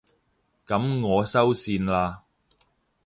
噉我收線喇